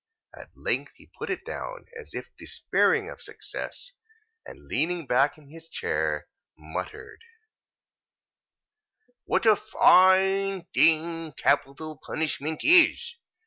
At length he put it down, as if despairing of success; and, leaning back in his chair, muttered: "What a fine thing capital punishment is!